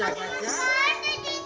pakai maskernya di tangan